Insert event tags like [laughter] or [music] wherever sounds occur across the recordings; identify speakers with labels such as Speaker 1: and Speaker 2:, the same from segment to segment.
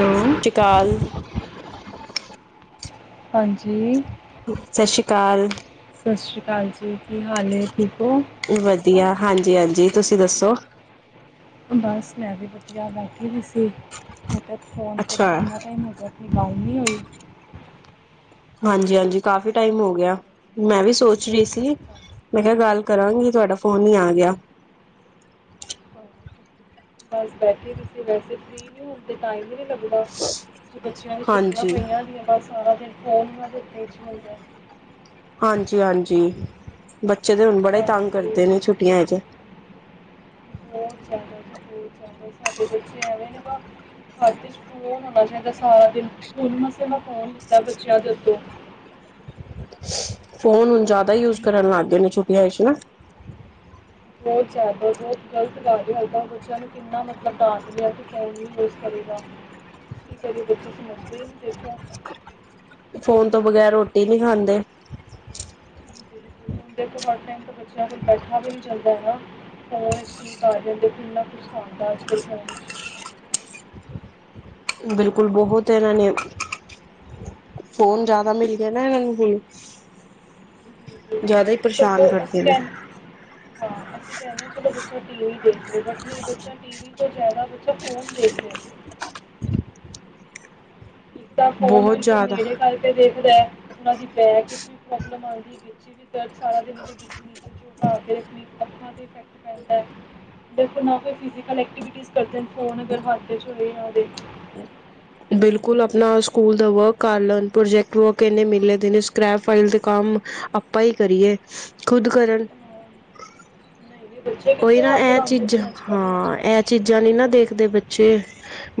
Speaker 1: Hello
Speaker 2: ਟਿਕਾਲ
Speaker 1: ਹਾਂਜੀ।
Speaker 2: ਸਤਿ ਸ਼੍ਰੀ ਅਕਾਲ।
Speaker 1: ਸਤਿ ਸ੍ਰੀ ਅਕਾਲ ਜੀ, ਕੀ ਹਾਲ ਠੀਕ ਹੋ।
Speaker 2: ਵਧੀਆ, ਹਾਂਜੀ ਹਾਂਜੀ ਤੁਸੀਂ ਦੱਸੋ
Speaker 1: ਬਸ ਮੈਂ ਵੀ ਵਧੀਆ ਬੈਠੀ ਵੀ ਸੀ ਮੈਂ ਕਿਹਾ ਫੋਨ ਕਰਾਂ
Speaker 2: ਅੱਛਾ
Speaker 1: ਕਿੰਨਾ ਟਾਈਮ ਹੋਗਾ ਗੱਲ ਨਹੀ ਹੋਈ-
Speaker 2: ਹਾਂਜੀ ਹਾਂਜੀ, ਕਾਫ਼ੀ ਟਾਈਮ ਹੋ ਗਿਆ
Speaker 1: ਹਾਂਜੀ
Speaker 2: ਮੈਂ ਵੀ ਸੋਚ ਰਹੀ ਸੀ-
Speaker 1: ਹਾਂਜੀ
Speaker 2: ਮੈਂ ਕਿਹਾ ਗੱਲ ਕਰਾਂਗੀ ਤੁਹਾਡਾ ਫੋਨ ਹੀ ਆ ਗਿਆ।
Speaker 1: ਹਾਂਜੀ। ਬਸ ਬੈਠੇ ਰ ਸੀ ਵੈਸੇ ਫਰੀ ਨ ਹੁਣ ਤੇ ਟਾਈਮ ਹੀ ਨਹੀਂ ਲੱਗਦਾ ਬੱਚਿਆਂ ਦੀਆਂ ਛੱਟੀਆਂ
Speaker 2: ਹਾਂਜੀ,
Speaker 1: ਪਈਆਂੁੰਦੀਆਂ ਬਸ ਸਾਰਾ ਦਿਨ ਫੋਨ ਉਹਨਾ ਦੇ ਹੱਥ ਵਿੱਚ ਹੁੰਦਾ ਹੈ।
Speaker 2: ਹਾਂਜੀ ਹਾਂਜੀ, ਬੱਚੇ ਤੇ ਹੁਣ ਬੜਾ ਹੀ ਤੰਗ
Speaker 1: ਹਾਂਜੀ
Speaker 2: ਕਰਦੇ ਨੇ ਛੁੱਟੀਆਂ ਚ।
Speaker 1: ਬਹੁਤ ਜ਼ਿਆਦਾ ਜੀ ਬਹੁਤ ਜ਼ਦਾ ਸਾਡੇ ਬੱਚੇ ਐਵੇਂ ਨੇ ਭਾ ਹੱ ਚ ਫੋਨ ਹੋਣਾ ਚਾਹੀਦਾ ਸਾਰਾ ਦਿਨ, ਹੁਨ ਮਸਾ ਮਸਾ ਫੁਨ ਫੋਨ ਲਿਤਾ ਮੈ ਬੱਚਿਆਂ ਤੋ
Speaker 2: ਫੋਨ ਹੁਣ ਜ਼ਿਆਦਾ ਯੂਜ ਕਰਨ ਲੱਗ ਗਏ ਨੇ ਛੁੱਟੀਆਂ ਚ ਨਾ
Speaker 1: ਬਹੁਤ ਜ਼ਿਆਦਾ ਬਹੁਤ ਗ਼ਲਤ ਕਰਦਾ ਦਾ ਬੱਚਿਆਂ ਨੂੰ ਕਿੰਨਾ ਮਤਲਬ ਡਾਂਟ ਲਿਆ ਤੇ ਫੋਨ ਨੀ ਯੂਸ ਕਰੀਦਾ ਇਸ ਕਰਕੇ ਬੱਚੇ ਸਮਝਦੇ ਨੀ
Speaker 2: ਫੋਨ ਤੋਂ ਬਗੈਰ ਰੋਟੀ ਨਹੀਂ ਖਾਂਦੇ
Speaker 1: ਹਰ ਹ ਟਾਈਮ ਤੇ ਬੱਚਿਆਂ ਦੇ ਕੋਲ ਬੈਠਾ ਵੀ ਨੀ ਜਾਂਦਾ ਹੈ। ਫੋਨ ਚ ਕਰ ਜਾਂਦੇ ਕਿੰਨਾ ਕੁਛ ਆਦਾ ਅੱਜ ਕੱਲ ਫੋਨ ਵਿੱਚ
Speaker 2: ਬਿਲਕੁਲ ਬਹੁਤ ਇਹਨਾਂ ਨੇ- ਫੋਨ ਜ਼ਿਆਦਾ ਮਿਲ ਗਿਆ ਨਾ ਇਹਨਾਂ ਨੂੰ ਹੁਨ
Speaker 1: ਵਿੱਚ
Speaker 2: ਜ਼ਿਆਦਾ ਹੀ ਪਰੇਸ਼ਾਨ
Speaker 1: ਸਗੋਂ ਅਸੀਂ
Speaker 2: ਕਰਦੇ ਨੇ
Speaker 1: ਕਹਿੰ ਹਾਂ ਅਸੀਂ ਕਹਿੰਦੇ ਹਾਂ ਚਲੋ ਬੱਚਾ ਟੀ ਵੀ ਦੇਖ ਰ ਬਟ ਨਹੀਂ ਬੱਚਾ ਟੀ ਟੀ ਵੀ ਤੋ ਜ਼ਾਦਾ ਬੱਚਾ ਫੋਨ ਦੇਖ ਰਹਾ- ਇੱਕ ਫੋਨ
Speaker 2: ਬਹੁਤ
Speaker 1: ਬਿਲਕੁਲ
Speaker 2: ਜ਼ਿਆਦਾ
Speaker 1: ਨੇੜੇ ਕਰਕੇ ਦੇਖਦਾ ਉਹਨਾਂ ਦੀ ਬੈਕ ਵਿੱਚ ਵੀ ਪ੍ਰੋਬਲਮ ਆਉਂਦੀ ਹੈ, ਗਚ ਸਾਰਾ ਦਿਨ ਦੇਖ ਦੇਖ ਕੇ ਅੱਖਾਂ ਤੇ ਇਫੈਕਟ ਪੈਂਦਾ। ਖ ਨਾ ਕੋਈ ਫਿਜ਼ੀਕਲ ਕਰਦੇ। ਫੋਨ ਹਥ ਚ ਹੋਏ
Speaker 2: ਬਿਲਕੁਲ ਆਪਣਾ ਸਕੂਲ ਦਾ ਵਰਕ ਕਰ ਲੈਣ ਪ੍ਰਜੈਕਟ ਵਰਕ ਇਨੇ ਮਿਲੇ ਨੇ ਸਕ੍ਰੈਪ ਫਾਈਲ ਦੇ ਕੰਮ ਆਪ ਹੀ ਕਰੀਏ ਖੁਦ ਕਰਨ
Speaker 1: ਹਾਂ, ਨਹੀਂ ਨਹੀਂ ਬੱਚੇ
Speaker 2: ੳਹੀ
Speaker 1: ਕਿੱਥੇ
Speaker 2: ਨਾ,
Speaker 1: ਹੱਥ
Speaker 2: ਇਹ
Speaker 1: ਲਾਉਂਦੇ
Speaker 2: ਚੀਜ਼ਾਂ
Speaker 1: ਨੇ ਅੱਜ ਕੱਲ੍ਹ
Speaker 2: ਹਾਂ ਇਹ ਚੀਜ਼ਾਂ ਨੀ ਨਾ ਦੇਖਦੇ ਬੱਚੇ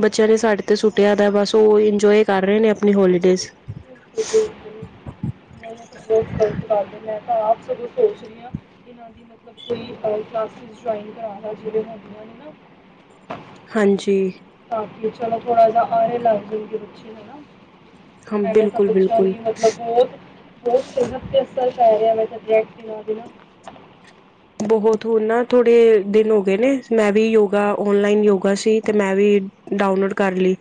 Speaker 2: ਬੱਚਿਆਂ ਨੇ ਸਾਡੇ ਤੇ ਸੁੱਟਿਆ
Speaker 1: ਹਾਂ।
Speaker 2: ਤਾਂ ਬਸ ਉਹ ਇੰਜੋਏ ਕਰ ਰਹੇ ਨੇ ਆਪਣੀ ਹੋਲੀਡੇਜ਼।
Speaker 1: ਨਹੀਂ ਤੇ ਬਹੁਤ ਗ਼ਲਤ ਗਲ ਮੈਂ ਤਾਂ ਆਪ ਸਗੋਂ ਸੋਚ ਰਹੀ ਹਾਂ ਕਿ ਕੋਈ ਕਲਾਸਿਸ ਜਇਨ ਕਰਾ ਦਾ ਜਿਹੜੇ ਹੁੰਦੀਆ ਹਨ
Speaker 2: ਹਾਂਜੀ।
Speaker 1: ਤਾਂਕੀ ਚਲੋ ਥੋੜ੍ਹਾ ਜਾਹਾ ਆ ਰਹੇ ਲਗ ਜ਼ਿੰਦਗੀ ਵਿੱਚ ਹੀ ਹੈਨਾ।
Speaker 2: ਹਾਂ
Speaker 1: ਐਵੇੈਂ ਤਾਂ
Speaker 2: ਬਿਲਕੁਲ
Speaker 1: ਬੱਚਿਆਂ
Speaker 2: ਬਿਲਕੁਲ
Speaker 1: ਵੀ ਮਤਲਬ ਬਹੁਤ-ਬਹੁਤ ਸਿਹਤ 'ਤੇ ਅਸਰ ਪੈ ਰਿਹਾ ਮੈਂ ਤਾਂ ਦੇਖ ਕੇ ਦੇਨਾ
Speaker 2: ਬਹੁਤ ਹੋਣ ਨਾ, ਥੋੜੇ ਦਿਨ ਹੋ ਗਏ ਨੇ ਮੈਂ ਵੀ ਯੋਗਾ ਓਨਲਾਈਨ ਯੋਗਾ ਸੀ ਤੇ ਮੈਂ ਵੀ ਡਾਊਨਲੋਡ ਕਰ ਲਈ।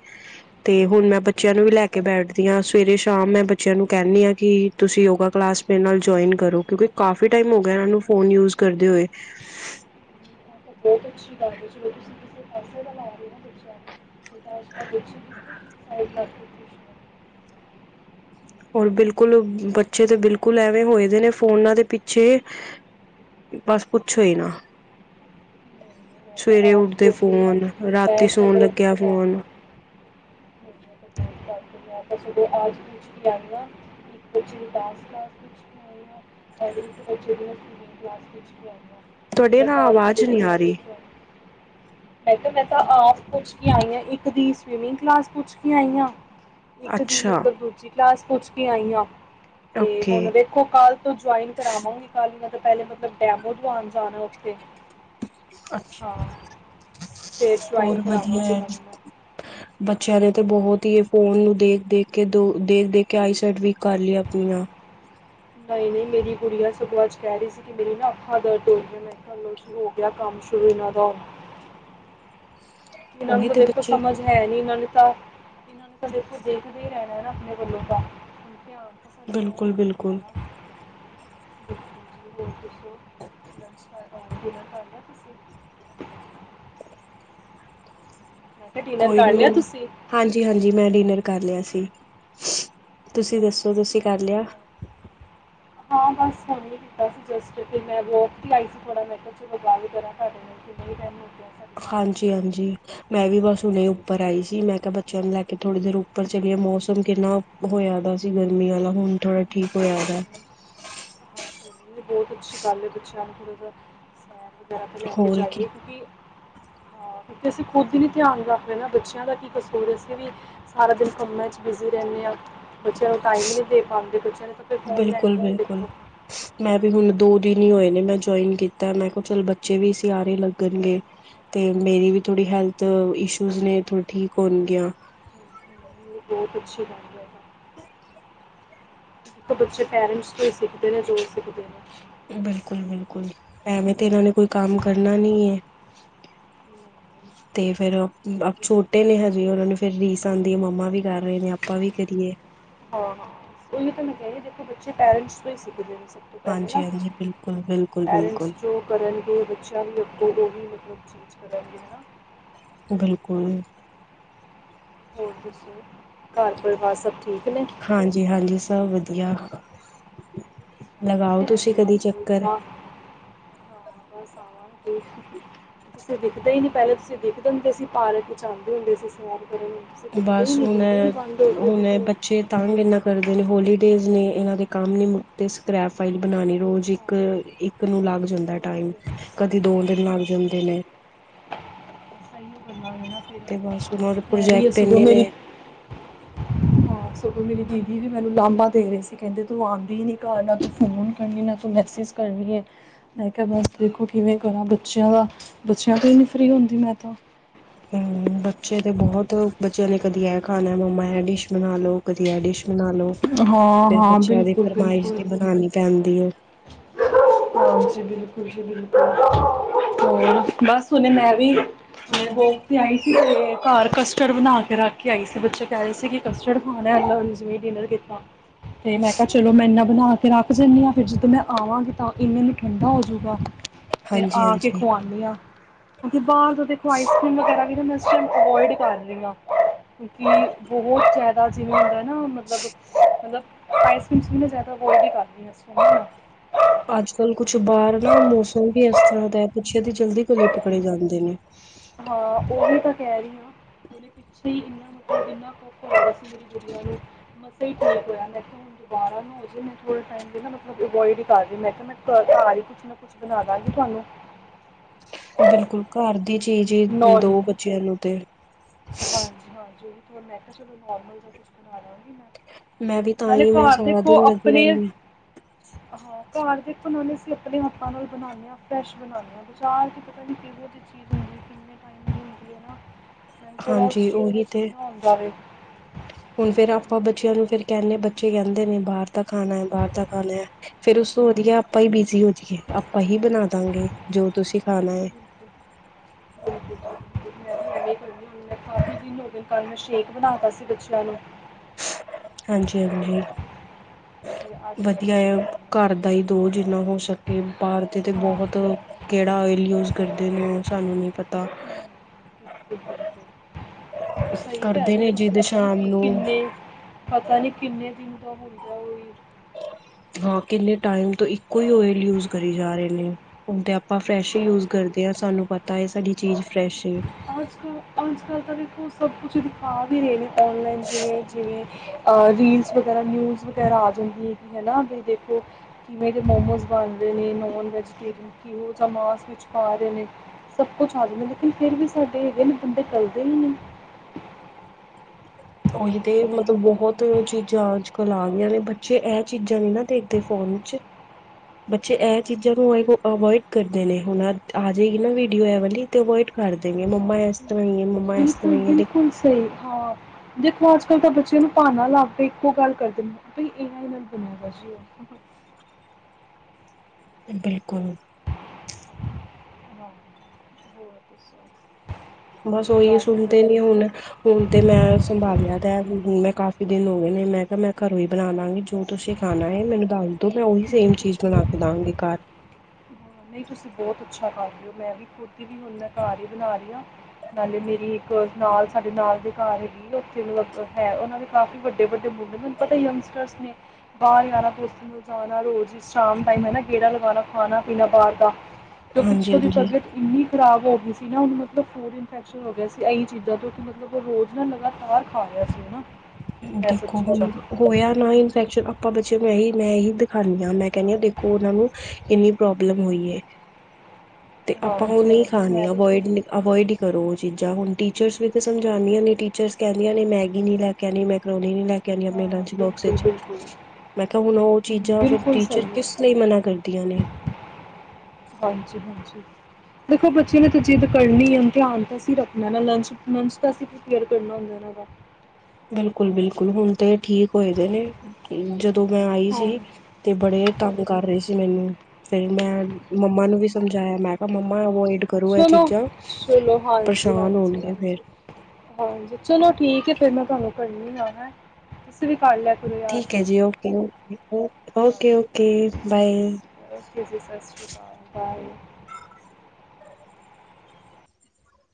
Speaker 2: ਤੇ ਹੁਣ ਮੈਂ ਬੱਚਿਆਂ ਨੂੰ ਵੀ ਲੈ ਕੇ
Speaker 1: ਅੱਛਾ, ਅੱਛਾ।
Speaker 2: ਬੈਠਦੀ ਹਾਂ ਸਵੇਰੇ-ਸ਼ਾਮ ਮੈਂ ਬੱਚਿਆਂ ਨੂੰ ਕਹਿੰਦੀ ਹਾਂ ਕਿ ਤੁਸੀਂ ਯੋਗਾ ਕਲਾਸ ਮੇਰੇ ਨਾਲ ਜੁਆਇਨ ਕਰੋ ਕਿਉਂਕਿ ਕਾਫੀ ਟਾਈਮ ਹੋ ਗਿਆ ਇਹਨਾਂ ਨੂੰ ਫੋਨ ਯੂਜ ਕਰਦੇ ਹੋਏ।
Speaker 1: ਇਹ ਤਾਂ ਬਹੁਤ ਅੱਛੀ ਗੱਲ ਹੈ ਜਦੋਂ ਤੁਸੀਂ ਕਿਸੇ ਪੈਸੇ ਦਾ ਲੈ ਨਾ [inaudible]
Speaker 2: ਔਰ ਬਿਲਕੁਲ ਬੱਚੇ ਤੇ ਬਿਲਕੁਲ ਐਵੇਂ ਹੋਏ ਦੇ ਨੇ ਫੋਨਾਂ ਦੇ ਪਿੱਛੇ ਬਸ ਪੁੱਛੋ ਹੀ ਨਾ। ਸਵੇਰੇ
Speaker 1: ਆਪ
Speaker 2: ਉੱਠਦੇ
Speaker 1: ਸੋਚ ਰੀ ਹਾਂ
Speaker 2: ਫੋਨ ਰਾਤੀ
Speaker 1: ਮੈਂ
Speaker 2: ਸੌਣ
Speaker 1: ਸਗੋ
Speaker 2: ਲੱਗਿਆ ਫੋਨ
Speaker 1: ਅਜੱ ਪੁਛ ਕਗ ਆਈ ਹਾ। ਕੁਛ ਡਾਸ ਕਲਾਸ ਕੁਛ ਜਿਹੜੀਆਂ ਸਕ ਕਲਾਸ ਵਿੱਚ ਵੀ ਆਈਆਂ
Speaker 2: ਤੁਹਾਡੇ
Speaker 1: ਮੈਂ ਤਾਂ
Speaker 2: ਨਾ
Speaker 1: ਆਈ ਸੀ
Speaker 2: ਆਵਾਜ਼ ਨਹੀਂ
Speaker 1: ਦੇਖਣ
Speaker 2: ਆ
Speaker 1: ਵਿਚ
Speaker 2: ਰਹੀ
Speaker 1: ਮੈਂ ਕਿਹਾ ਮੈਂ ਤਾਂ ਆਪ ਪੁੱਛ ਕੇ ਆਈ ਹਾਂ ਇੱਕ ਦੀ ਸਵੀਮਿੰਗ ਕਲਾਸ ਪੁੱਛ ਕੇ ਆਈ ਹਾਂ। ਇੱਕ ਦੀ
Speaker 2: ਅੱਛਾ
Speaker 1: ਮਤਲਬ ਦੂਜੀ ਕਲਾਸ ਪੁੱਛ ਕੇ ਆਈ ਹਾਂ ਤੇ
Speaker 2: ਓਕੇ
Speaker 1: ਹੁਣ ਵੇਖੋ ਕਲ ਤੋ ਜੁਆਇਨ ਕਰਵਾਵਾਂਗੀ ਕੱਲ ਮੈ ਤਾਂ ਪਹਿਲੇ ਮਤਲਬ ਡੈਮੋ ਦੋਵਾਨ ਜਾਣਾ ਉੱਥੇ। ਹਾਂ, ਫਿਰ ਜੁਆਇਨ
Speaker 2: ਹੋਰ
Speaker 1: ਕਰਾਵਾਂ
Speaker 2: ਵਧੀਆ ਹੈ।
Speaker 1: ਇਨਾਂਨੂ।
Speaker 2: ਬੱਚਿਆਂ ਨੇ ਤੇ ਬਹੁਤ ਹੀ ਇਹ ਫੋਨ ਨੂੰ ਦੇਖ-ਦੇਖ ਕੇ ਦੋ ਦੇਖ-ਦੇਖ ਕੇ ਆਈ ਸੈਟ ਵੀਕ ਕਰ ਲਈ ਆਪਣੀਆਂ।
Speaker 1: ਨਹੀਂ-ਨਹੀਂ ਮੇਰੀ ਕੁੁੜੀਆਂ ਸਗੌ ਅਜੱ ਕਹਿ ਰਹੀ ਸੀ ਕਿ ਮੇਰੀ ਨਾ ਅੱਖਾਂ ਦਰਦ ਹੋ ਰਹੀਆਂ ਨੇ। ਏਲੌ ਹੋ ਗਿਆ ਕੰਮ ਸ਼ੁਰੂ ਇਹਨਾਂ ਦਾ ਇਹਨਾਂ ਨੂੰ
Speaker 2: ਉਹੀ
Speaker 1: ਤਾਂ
Speaker 2: ਤੇ
Speaker 1: ਦੇਖੋ
Speaker 2: ਬੱਚੇ
Speaker 1: ਸਮਝ ਹੈ ਨੀ ਇਹਨਾਂ ਨੂੰ ਤਾਂ ਇਹਨਾਂ ਨੂੰ ਤਾਂ ਦੇਖੋ ਦੇਖਦੇ ਹੀ ਰਹਿਣਾ ਨਾ ਆਪਣੇ ਵੱਲੋਂ ਤਾਂ
Speaker 2: ਬਿਲਕੁਲ- ਬਿਲਕੁਲ।
Speaker 1: ਤੁਸੀਂ ਔਰ ਦੱਸੋ? ਲੰਚ ਕਰ ਡਿਨਰ ਕਰ ਲਿਆ ਤੁਸੀਂ। ਮੈਂ ਕਿਹਾ ਡਿਨਰ
Speaker 2: ਕੋਈ
Speaker 1: ਕਰ
Speaker 2: ਨੀ।
Speaker 1: ਲਿਆ ਤੁਸੀਂ
Speaker 2: ਹਾਂਜੀ-ਹਾਂਜੀ, ਮੈਂ ਡਿਨਰ ਕਰ ਲਿਆ ਸੀ
Speaker 1: ਅੱਛਾ
Speaker 2: ਤੁਸੀਂ ਦੱਸੋ
Speaker 1: ਅੱਛਾ
Speaker 2: ਤੁਸੀਂ ਕਰ ਲਿਆ?
Speaker 1: ਹੋਰ ਹਾਂ, ਬਸ ਹੁਣ ਹੀ ਕੀਤਾ ਸੀ ਜਸਟ ਤੇ ਮੈਂ ਵੋਕ ਦੀ ਆਈ ਸੀ ਥੋੜਾ, ਮੈਂ ਕਿਹਾ ਗੱਲ ਕਰਾਂ ਤੁਹਾਡੇ ਨਾਲ। ਕਿੰਨਾ ਵੀ ਟਾਈਮ ਲੱਗ ਗਿਆ? ਸਾਡੀ ਗੱਲ ਹੀ ਨਹੀਂ
Speaker 2: ਹਾਂਜੀ-
Speaker 1: ਹੋਈ।
Speaker 2: ਹਾਂਜੀ। ਮੈਂ ਵੀ ਬਸ ਹੁਣੇ ਉੱਪਰ ਆਈ ਸੀ ਮੈਂ ਕਿਹਾ ਬੱਚਿਆਂ ਨੂੰ ਲੈ ਕੇ ਥੋੜ੍ਹੀ ਦੇਰ ਉੱਪਰ ਚਲੀਏ ਮੌਸਮ ਕਿੰਨਾ ਹੋਇਆ ਦਾ ਸੀ ਗਰਮੀ ਵਾਲਾ ਹੁਣ ਥੋੜਾ ਠੀਕ ਹੋਇਆ ਦਾ।
Speaker 1: ਹਾਂਜੀ, ਬਹੁਤ ਅੱਛੀ ਗੱਲ ਹੈ ਬੱਚਿਆਂ ਨੂੰ ਥੜਾ ਜਹਾ ਜ਼ਿਆਦਾ ਤਾਂ ਲੈ ਕੇ
Speaker 2: ਹੋਰ ਕੀ
Speaker 1: ਜਾਈਏ ਕਿਉਂਕਿ ਹਾ, ਉ ਅਸੀਂ ਖੁਦ ਹੀ ਨੀ ਧਿਆਨ ਰੱਖ ਨਾ ਬੱਚਿਆਂ ਦਾ ਕੀ ਕਸੂਰ ਅਸੀ ਵੀ ਸਾਰਾ ਦਿਨ ਕੰਮਾਂ ਚ ਬਿਜ਼ੀ ਰਹਿੰਦੇ ਹਾਂ, ਬੱਚਿਆਂ ਨੂੰ ਟਾਈਮ ਹੀ ਨਹੀਂ ਦੇ ਪਾਉਂਦੇ ਬੱਚਿਆਂ ਨੂੰ
Speaker 2: ਬਿਲਕੁਲ-ਬਿਲਕੁਲ। ਮੈਂ ਵੀ ਹੁਣ ਦੋ ਦਿਨ ਹੀ
Speaker 1: ਹਾਂ,
Speaker 2: ਹੋਏ ਨੇ ਮੈਂ ਜੁਆਇਨ ਕੀਤਾ ਮੈਂ ਕਿਹਾ ਚਲ ਬੱਚੇ ਵੀ ਕਿਸੀ ਆਰੇ ਲੱਗਣਗੇ। ਤੇ ਮੇਰੀ ਵੀ ਥੋੜੀ ਹੈਲਥ ਇਸ਼ੂਜ ਨੇ ਥੋੜੀ ਠੀਕ ਹੋਣਗੀਆਂ।
Speaker 1: ਬਹੁਤ ਅੱਛੀ ਗੱਲ ਹੈ। ਤਾਂ ਬੱਚੇ ਪੈਰੈਂਟਸ ਤੋਂ ਹੀ ਸਿੱਖਦੇ ਨੇ ਜੋ ਸਿੱਖਦੇ ਨੇ।
Speaker 2: ਬਿਲਕੁਲ-ਬਿਲਕੁਲ, ਐਵੇਂ ਤੇ ਇਹਨਾਂ ਨੇ ਕੋਈ ਕੰਮ ਕਰਨਾ ਨੀ ਹੈ।
Speaker 1: [inaudible]
Speaker 2: ਤੇ ਫੇਿਰ ਛੋਟੇ ਨੇ ਹਜੇ ਉਹਨਾ ਨੂੰ ਫਿਰ ਰੀਸ ਆਉਂਦੀ ਹੈ, ਮੰਮਾ ਵੀ ਕਰ ਰਹੇ ਨੇ ਆਪਾਂ ਵੀ ਕਰੀਏ।
Speaker 1: ਹਾਂ, ਉਹੀ ਤਾਂ ਮੈਂ ਕਹਰੀ ਦੇਖੋ ਬੱਚੇ ਪੈਰੈਂਟਸ ਤੋਂ ਹੀ ਸਿੱਖਦੇ ਨਹੀਂ। ਪਹਿਲੇ ਨਾ
Speaker 2: ਹਾਂਜੀ ਹਾਂਜੀ ਬਿਲਕੁਲ ਬਿਲਕੁਲ
Speaker 1: ਪੈਰੈਂਟਸ
Speaker 2: ਬਿਲਕੁਲ
Speaker 1: ਜੋ ਕਰਨਗੇ ਬੱਚਿਆਂ ਵੀ ਆਪੋ ਉਹ ਵੀ ਮਤਲਬ ਚੀਜ਼ ਕਰਨਗੇ ਨਾ,
Speaker 2: ਬਿਲਕੁਲ,
Speaker 1: ਹੋਰ ਦੱਸੋ ਘਰ ਪਰਿਵਾਰ ਸਭ ਠੀਕ ਨੇ।
Speaker 2: ਹਾਂਜੀ-ਹਾਂਜੀ, ਸਭ ਵਧੀਆ, ਲਗਾਓ
Speaker 1: ਕਿੱਥੇ
Speaker 2: ਤੁਸੀਂ
Speaker 1: ਰਹਿੰਦੇ ਹੋ
Speaker 2: ਕਦੀ
Speaker 1: ਅੱਜ ਕੱਲ੍ਹ
Speaker 2: ਚੱਕਰ।
Speaker 1: ਨਾ ਹਾਂ ਬਸ ਆਵਾਂਗੇ, ਤੁਸੀਂ ਦਿਖਦੇ ਹੀ ਨਹੀਂ ਪਹਿਲੇ ਤੁਸੀਂ ਦਿਖਦੇ ਹੁੰਦੇ ਸੀ ਪਾਰਕ ਚ ਆਉਦੇ ਹੁੰਦੇ ਸੀ ਸੈਰ ਕਰਨ। ਤੁਸੀਂ ਦਿਖਦੇ ਹੀ
Speaker 2: ਬਸ
Speaker 1: ਨਹੀਂ
Speaker 2: ਹੁਣ,
Speaker 1: ਬਿਲਕੁਲ ਹੀ ਬੰਦ ਹੋ ਗਏ
Speaker 2: ਹੁਣ
Speaker 1: ਦਿਖਣੇ
Speaker 2: ਬੱਚੇ ਤੰਗ ਇਨਾ ਕਰਦੇ ਨੇ ਹੋਲੀਡੇਜ਼ ਨੇ ਇਹਨਾਂ ਦੇ ਕੰਮ ਨੀ ਮੁਤੇ ਸਕ੍ਰੈਪ ਫਾਈਲ ਬਣਾਣੀ ਰੋਜ਼
Speaker 1: ਹਾਂ
Speaker 2: ਇੱਕ ਇੱਕ ਇੱਕ ਨੂੰ ਲੱਗ ਜਾਂਦਾ ਟਾਈਮ
Speaker 1: ਬਸ ਬਸ
Speaker 2: ਕਦੇ ਦੋ ਦਿਨ ਲੱਗ
Speaker 1: ਹਾਂ
Speaker 2: ਜਾਂਦੇ ਨੇ,
Speaker 1: [unintelligible] ਫਿਰ
Speaker 2: ਤੇ ਬਸ ਉਹਨਾਂ ਦੇ
Speaker 1: ਪੈ ਰਹੀ ਹੈ
Speaker 2: ਪ੍ਰੋਜੈਕਟ
Speaker 1: ਸਗੋਂ
Speaker 2: ਇੰਨੇ
Speaker 1: ਮੇਰੀ
Speaker 2: ਨੇ
Speaker 1: ਹਾਂ ਸਗੋਂ ਮੇਰੀ ਦੀਦੀ ਵੀ ਮੈਨੂੰ ਲਾਂਬਾ ਦੇ ਰਹੇ ਸੀ ਕਹਿੰਦੇ ਤੂੰ ਆਉਂਦੀ ਨੀ ਘਰ ਨਾ ਤੂੰ ਫੋਨ ਕਰਨੀ ਨਾ ਤੂੰ ਮੈਸੇਜ, ਕਰਦੀ ਹੈ, ਮੈਂ ਕਿਹਾ ਬਸ ਦੇਖੋ ਕਿਵੇਂ ਕਰਾਂ ਬੱਚਿਆਂ ਦਾ ਬੱਚਿਆਂ ਤੋਂ ਨਹੀਂ ਫਰੀ ਹੁੰਦੀ ਮੈਂ ਤਾਂ,
Speaker 2: ਹੂੰ, ਬੱਚੇ ਤਾਂ ਬਹੁਤ ਬੱਚਿਆਂ ਨੇ ਕਦੀ ਇਹ ਖਾਣਾ ਮੰਮਾ ਇਹ ਡਿਸ਼ ਬਣਾ ਲਉ ਕਦੀ ਇਹ ਡਿਸ਼ ਬਣਾ ਲਉ।
Speaker 1: ਹਾਂ
Speaker 2: ਤੇ
Speaker 1: ਹਾਂ
Speaker 2: ਬੱਚਿਆਂ ਦੀ
Speaker 1: ਬਿਲਕੁਲ
Speaker 2: ਫਰਮਾਇਸ਼ ਤੇ ਬਣਾਉਣੀ ਪੈਂਦੀ ਹੈ।
Speaker 1: [unintelligible] ਹਾਂ, ਜੀ ਬਿਲਕੁਲ ਜੀ ਬਿਲਕੁਲ ਹੋ ਬਸ ਹੁਣ ਮੈਂ ਵੀ, ਮੈਂ ਵੋਗ ਤੇ ਆਈ ਸੀ ਤੇ ਘਰ ਕਸਟਰਡ ਬਣਾ ਕੇ ਰੱਖ ਕੇ ਆਈ ਸੀ ਬੱਚੇ ਕਹਿ ਰਹੇ ਸੀ ਕਿ, ਕਸਟਰਡ ਖਣਾ ਡਿਨਰ ਕੀਤਾ ਤੇ ਮੈਂ ਕਿਹਾ ਚਲੋ ਮੈਂ ਇਨਾ ਬਣਾ ਕੇ ਰੱਖ ਜਾਂਦੀ ਹਾਂ ਫਿਰ ਜਦੋਂ ਮੈਂ ਆਵਾਂਗੀ ਤਾਂ ਇੰਨਨੂੰ ਠੰਡਾ ਹੋ ਜੂਗਾ। ਫਿਰ ਆ
Speaker 2: ਹਾਂਜੀ
Speaker 1: ਕੇ
Speaker 2: ਹਾਂਜੀ
Speaker 1: ਖੁਆਣੀ ਹਾਂ, ਕਿਉਂਕਿ ਬਾਹਰ ਤੋਂ ਤੇ ਖਈ ਵਗੈਰਾ ਵੀ ਮੈਂ ਅਵੋਇਡ ਕਰ ਰਹੀ ਹਾਂ, ਕਿਉਂਕਿ ਬਹੁਤ ਜਿਆਦਾ ਜਿਵੇਂ ਹੁੰਦਾ ਮਤਲਬ ਮਤਲਬ [unintelligible] ਜ਼ਿਆਦਾ ਅਵੋਇਡ ਹੀ ਕਰ ਰਹੀ ਆ।
Speaker 2: ਅੱਜ ਕੱਲ੍ਹ ਕੁਛ ਬਾਹਰ ਨਾ ਮੌਸਮ ਵੀ ਇਸ ਤਰ੍ਹਾਂ ਦਾ ਹੈ ਪਿੱਛੇ ਦੀ ਜਲਦੀ ਕਲੇ ਪਕੜੇ ਜਾਂਦੇ ਨੇ।
Speaker 1: ਹਾਂ, ਉਹ ਵੀ ਤਾਂ ਕਹਿ ਰਹੀ ਹਾਂ। [unintelligible] ਦੁਬਾਰਾ ਨਾ ਹੋ ਜੇ ਮੈਂ ਥੋਡੇ ਟਾਈਮ ਲਈ ਨਾ ਅਵੋਇਡ ਹੀ ਕਰ ਰਹੀ ਮੈਂ ਕਿਹਾ ਕੁੱਛ ਬਣਾ ਦਾ ਗੁ ਤੁਹਾਨੂੰ,
Speaker 2: ਬਿਲਕੁਲ ਘਰ ਦੀ ਚੀਜ਼ ਹੀ ਦੋ
Speaker 1: ਨੋਰਮ
Speaker 2: ਬੱਚਿਆਂ ਨੂੰ ਤੇ,
Speaker 1: ਹਾਂਜੀ-ਹਾਂਜੀ, ਮੈਂ ਕਿਹਾ ਚਲੋ ਨੋਰਮਲ ਕੁਛ ਬਣਾ ਲਵਾਂਗੀ ਮ
Speaker 2: ਮੈਂ ਵੀ ਤਾਂ
Speaker 1: ਨਾਲੇ
Speaker 2: ਹੀ ਮੈਂ
Speaker 1: ਘਰ
Speaker 2: ਸਾਰਾ
Speaker 1: ਦੇਖੋ
Speaker 2: ਦਿਨ ਲੱਗੀ
Speaker 1: ਆਪਣੇ,
Speaker 2: ਰਹਿੰਦੀ
Speaker 1: ਹਾਂ, ਘਰ ਦੇਖੋ ਨਾਲੇ ਅਸੀਂ ਆਪਣੇ ਹੱਥਾਂ ਨਾਲ ਬਣਾਉਂਦੇ ਆਂ ਫਰੈਸ਼ ਬਣਾਉਂਦੇ ਆ। ਬਾਜ਼ਾਰ ਚ ਪਤਾ ਨੀ ਕਿਹੋ ਜਿਹੀ ਚੀਜ਼ ਹੈ। ਕਿੰਨੇ ਟਾਈਮ ਦੀ ਹੁੰਦੀ ਨਾ ਮੈਨੂੰ ਥੋੜਾ ਉਸ
Speaker 2: ਹਾਂਜੀ
Speaker 1: ਚੀਜ਼
Speaker 2: ਉਹੀ
Speaker 1: ਪਿੱਛੇ
Speaker 2: ਤੇ
Speaker 1: ਵੀ ਹੁੰਦਾ ਵੇ।
Speaker 2: ਹੁਣ ਫੇਰ ਆਪਾਂ ਬੱਚਿਆਂ
Speaker 1: ਹਾਂਜੀ
Speaker 2: ਨੂੰ ਫਿਰ
Speaker 1: ਹਾਂਜੀ
Speaker 2: ਕਹਿੰਦੇ ਬੱਚੇ ਕਹਿੰਦੇ ਨੇ ਬਾਹਰ ਦਾ ਖਾਣਾ ਹੈ ਬਾਹਰ ਦਾ ਖਾਣਾ ਹੈ। ਫੇਰ ਉਸ ਤੋਂ
Speaker 1: ਹਾਂ
Speaker 2: ਵਧੀਆ ਆਪਾਂ ਹੀ ਬਿਜੀ ਹੋ ਜਾਈਏ ਆਪਾਂ ਹੀ ਬਣਾ ਦਵਾਂਗੇ ਜੋ ਤੁਸੀਂ ਖਾਣਾ ਹੈ।
Speaker 1: [unintelligible] ਐਵੇ ਕਰ ਹੁਣ ਮੈਂ ਕਾਫੀ ਦਿਨ ਹੋ ਗੲੇ ਕੱਲ੍ਹ ਮੈਂ ਸ਼ੇਕ ਬਣਾ ਤਾ ਸੀ ਬੱਚਿਆਂ ਨੂੰ,
Speaker 2: ਹਾਂਜੀ ਹਾਂਜੀ
Speaker 1: ਤੇ ਅੱਜ ਮੈਂ ਕਿਹਾ
Speaker 2: ਵਧੀਆ ਹੈ
Speaker 1: ਚਲੋ ਕਰਨਾ
Speaker 2: ਘਰ ਦਾ ਹੀ ਦੋ ਜਿੰਨਾ ਹੋ ਸਕੇ ਬਾਹਰ ਤੇ ਤੇ ਬਹੁਤ,
Speaker 1: ਹਾਂਜੀ ਹਾਂਜੀ
Speaker 2: ਕਿਹੜਾ ਓਇਲ ਯੂਜ ਕਰਦੇ ਨੇ ਉਹ ਸਾਨੂੰ ਨੀ ਪਤਾ,
Speaker 1: ਸਹੀ ਕੈਅ
Speaker 2: ਕਰਦੇ
Speaker 1: ਰਹੇ ਹੋ
Speaker 2: ਨੇ
Speaker 1: ਤੁਸੀ
Speaker 2: ਜਿੱਦ
Speaker 1: ਪਤਾ ਨੀ
Speaker 2: ਸ਼ਾਮ
Speaker 1: ਕੀ
Speaker 2: ਨੂੰ
Speaker 1: ਕਿੰਨੇ ਪਤਾ ਨਹੀਂ ਕਿੰਨੇ ਦਿਨ ਦਾ ਹੁੰਦਾ ਉਹ ਈ,
Speaker 2: ਹਾਂ ਕਿੰਨੇ ਟਾਈਮ ਤੋਂ ਇੱਕੋ ਹੀ ਓਇਲ ਯੂਜ ਕਰੀ ਜਾ ਰਹੇ ਨੇ, ਹੁਣ ਤੇ ਆਪਾਂ ਫਰੈਸ਼ ਹੀ
Speaker 1: ਬਿਲਕੁਲ
Speaker 2: ਯੂਜ
Speaker 1: ਬਿਲਕੁਲ
Speaker 2: ਕਰਦੇ ਹਾਂ ਸਾਨੂੰ ਪਤਾ ਹੈ ਸਾਡੀ ਚੀਜ਼ ਫਰੈਸ਼ ਏ।
Speaker 1: ਅੱਜ ਕੱਲ੍ਹ, ਅੱਜ ਕੱਲ੍ਹ ਤਾਂ ਦੇਖੋ ਸਭ ਕੁਛ ਦਿਖਾ ਵੀ ਰਹੇ ਨੇ ਆਨਲਾਈਨ ਜਿਵੇਂ ਜਿਵੇਂ, ਅ ਰੀਲਸ ਵਗੈਰਾ ਨਿਊਜ਼ ਵਗੈਰਾ ਆ ਜਾਂਦੀ ਹੈਗੀ ਹਨਾ ਵੀ ਦੇਖੋ, ਕਿਵੇਂ ਦੇ ਮੋਮੋਸ ਬਣਦੇ ਨੇ [unintelligible] ਵਾਸ ਵਿੱਚ ਪਾ ਰਹੇ ਨੇ, ਸਭ ਕੁਛ ਆ ਜਾਂਦਾ ਲੇਕਿਨ ਫਿਰ ਵੀ ਸਾਡੇ ਹੈਗੇ ਨੇ ਬੰਦੇ ਕਰਦੇ ਹੀ ਨੇ,
Speaker 2: ਓਹੀ ਤੇ ਮਤਲਬ ਬਹੁਤ ਚੀਜ਼ਾਂ ਅੱਜ ਕੱਲ੍ਹ ਆ ਗਿਆ ਬੱਚੇ ਇਹ ਚੀਜ਼ਾਂ ਨੇ ਨਾ ਦੇਖਦੇ ਫੋਨ, ਚ, ਬੱਚੇ ਇਹ ਚੀਜ਼ਾਂ
Speaker 1: ਹਾਂਜੀ
Speaker 2: ਨੂੰ
Speaker 1: ਹਾਂਜੀ
Speaker 2: ਅਵੋਇਡ ਕਰਦੇ ਨੇ ਹੁਣ ਆ ਜਾਏਗੀ ਨਾ ਵੀਡੀਓ ਐ ਵਲੀ ਅਵੋਇਡ ਕਰ ਦੇ ਨੇ ਮੰਮਾ
Speaker 1: ਹਾਂ
Speaker 2: ਇਸ ਤਰ੍ਹਾਂ ਹੀ ਹੈ ਮੰਮਾ ਇਸ
Speaker 1: ਬਿਲ
Speaker 2: ਤਰ੍ਹਾਂ ਹੀ ਹੈ
Speaker 1: ਬਿਲਕੁਲ ਸਹੀ ਹਾਂ। ਦੇਖੋ ਅੱਜ ਕੱਲ ਤਾਂ ਬੱਚਿਆਂ ਨੂੰ ਭਾਣਾ ਲਾ ਕੇ ਇੱਕੋ ਗੱਲ ਕਰਦੇ ਵੀ ਏ ਆਈ ਨਾਲ ਬਣਿਆ ਦਾ। [inaudible]
Speaker 2: ਬਿਲਕੁਲ
Speaker 1: ਹਾਂਜੀ ਹੋਰ
Speaker 2: ਬਸ ਓਹੀ
Speaker 1: ਘਰ ਤੇ
Speaker 2: ਸੁਣਦੇ
Speaker 1: ਸਭ
Speaker 2: ਨੀ
Speaker 1: ਠੀਕ
Speaker 2: ਹੁਣ ਹੁਣ ਤੇ ਮੈਂ ਸੰਭਾਲਿਆ ਤਾਂ ਮੈਂ ਕਾਫ਼ੀ ਦਿਨ ਹੋ ਗਏ ਨੇ ਮੈਂ ਕਿਹਾ ਮੈਂ
Speaker 1: ਹੈ
Speaker 2: ਘਰੋਂ ਹੀ ਬਣਾ ਲਵਾਂਗੀ ਜੋ ਤੁਸੀਂ ਖਾਣਾ ਹੈ ਮੈਨੂੰ ਦੱਸ ਦੋ ਮੈਂ ਉਹੀ
Speaker 1: ਨਹੀਂ
Speaker 2: ਸੇਮ ਚੀਜ਼
Speaker 1: ਤੁਸੀਂ
Speaker 2: ਬਣਾ ਕੇ ਦਵਾਂਗੀ ਘਾਰ
Speaker 1: ਹਾਂ, ਨਹੀਂ ਤੁਸੀਂ ਬਹੁਤ ਅੱਛਾ ਕਰ ਰਹੇ ਹੋ ਮੈਂ ਵੀ ਕੁੜਤੀ ਵੀ ਹੁਣ ਮੈਂ ਘਰ ਹੀ ਬਣਾ ਰਹੀ ਹਾਂ। ਨਾਲੇ ਮੇਰੀ ਇੱਕ ਨਾਲੇ ਸਾਡੇ ਨਾਲ ਦੇ ਘਰ ਹੈਗੀ ਉਥੇ ਹੈ ਉਹਨਾਂ ਦੀ ਕਾਫੀ ਵੱਡੇ- ਵੱਡੇ ਮੁੰਡੇ ਮੈਨੂੰ ਪਤਾ ਈ ਯੰਗਸਟਰਸ ਨੇ। ਬਾਹਰ ਜਾਣਾ ਕੁ ਦਿ ਨੂੰ ਜਾਣਾ ਰੋਜ਼ ਸ਼ਾਮ ਟਾਈਮ ਹਨਾ ਗੇੜਾ ਲਗਾਣਾ ਖਾਣਾ ਪੀਨਾ ਬਾਹਰ ਦਾ ਜੋ
Speaker 2: ਹਾਂਜੀ
Speaker 1: ਪਿੱਛੋ ਦੀ
Speaker 2: ਹਾਂਜੀ
Speaker 1: ਤਬੀਅਤ ਇੰਨੀ ਖਰਾਬ ਹੋ ਗਈ ਸੀ ਨਾ ਉਹਨੂੰ ਮਤਲਬ ਫੂਡ ਇਨਫੈਕਸ਼ਨ ਹੋ ਗਿਆ ਸੀ ਇਹੀ ਚੀਜ਼ਾਂ ਤੋਂ ਉਥ ਮਤਲਬ ਰੋਜ਼ ਨਾ ਲਗਾਤਾਰ ਖਾ ਰਿਹਾ ਸੀ ਹਨਾ।
Speaker 2: ਦੇਖੋ ਹੁਣ ਹੋਇਆ ਨਾ ਇਨਫੈਕਸ਼ਨ ਆਪਾਂ ਬੱਚਿਆਂ ਨੂੰ ਮੈਂ ਇ ਹੀ ਹਾਂਜੀ ਮੈਂ ਕਹਿੰਣੀ ਹ ਦੇਖੋ ਉਹਨਾਂ ਨੂੰ ਕਿੰਨੀ ਪ੍ਰੋਬਲਮ ਹੋਈ ਹੈ। ਤੇ
Speaker 1: ਹਾਂ
Speaker 2: ਆਪਾਂ ਉਹ
Speaker 1: ਹਾਂਜੀ
Speaker 2: ਨਹੀਂ
Speaker 1: ਹਾਂਜੀ
Speaker 2: ਖਾਣੀ
Speaker 1: ਮੈਂ ਵੀ
Speaker 2: ਅਵੋਇਡ ਨੇ। ਅਵੋਇਡ ਹੀ ਕਰੋ ਉਹ ਚੀਜ਼ਾਂ ਹੁਣ ਟੀਚਰਸ ਵੀ ਤਾਂ ਸਮਝਾਂਣੀਆਂ ਨੇ ਟੀਚਰਸ ਕਹਿੰਦੀਆਂ ਨੇ ਮੈਗੀ ਨਹੀਂ ਲੈ ਕੇ ਕਹਿਣੀ ਮੈਕਰੋਨੀ ਨੀ ਲੈ ਕੇ ਆਣੀ ਆਪਣੇ
Speaker 1: ਹਾਂ
Speaker 2: ਲੰਚ ਬੋਕਸ
Speaker 1: ਬਿਲਕੁਲ
Speaker 2: ਵਿੱਚ
Speaker 1: ਬਿਲਕੁਲ
Speaker 2: ਮੈਂ ਕਿਹਾ ਹੁਣ ਉਹ
Speaker 1: ਹਮ,
Speaker 2: ਚੀਜ਼ਾਂ ਫਿਰ
Speaker 1: ਬਿਲਕੁਲ
Speaker 2: ਟੀਚਰ
Speaker 1: ਸਹੀ ਹੈ
Speaker 2: ਕਿਸ ਲਈ ਮਨਾ ਕਰਦੀਆਂ ਨੇ
Speaker 1: ਹਾਂਜੀ ਹਾਂਜੀ ਦੇਖੋ ਬੱਚੇ ਨੇ ਤਾਂ ਜਿੱਦ ਕਰਨੀ ਆ ਧਿਆਨ ਤਾਂ ਅਸੀਂ ਰੱਖਣਾ ਨਾ ਲੰਚ- ਲੰਚ ਤਾਂ ਅਸੀਂ ਰ ਕਰਨਾ ਹੁੰਦਾ ਉਹਨਾਂ ਦਾ
Speaker 2: ਬਿਲਕੁਲ- ਬਿਲਕੁਲ ਹੁਣ ਤੇ ਠੀਕ ਹੋਏ ਦੇ ਨੇ ਜਦੋਂ ਮੈਂ ਆਈ
Speaker 1: ਹਾਂ
Speaker 2: ਸੀ।
Speaker 1: ਹਾਂ
Speaker 2: ਤੇ ਬੜੇ ਤੰਗ ਕਰ ਰਹੇ ਸੀ ਮੈਨੂੰ ਫਿਰ ਮੈਂ ਮੰਮਾ ਨੂੰ ਵੀ ਸਮਝਾਇਆ ਮੈਂ ਕਿਹਾ ਮੰਮਾ ਅਵੋਇਡ ਕਰੋ ਇਹ
Speaker 1: ਚਲੋ-
Speaker 2: ਚੀਜ਼ਾਂ
Speaker 1: ਚਲੋ ਹਾਂਜੀ-
Speaker 2: ਪਰੇਸ਼ਾਨ
Speaker 1: ਹਾਂਜੀ-
Speaker 2: ਹੋਣਗੇ ਫੇਰ
Speaker 1: ਹਾਂਜੀ। ਹਾਂਜੀ ਚਲੋ ਠੀਕ ਹੈ ਫਿਰ ਮੈਂ ਤੁਹਾਨੂੰ ਕਰਨੀ ਆ ਹੈ। ਤੁਸੀਂ ਵੀ ਕਰ ਲਿਆ ਤ ਯਾਦ
Speaker 2: ਠੀਕ ਹੈ ਜੀ okay okay okay okay bye
Speaker 1: [inaudible] okay ਜੀ ਸਤਿ ਸ਼੍ਰੀ ਅਕਾਲ ਬਾਏ।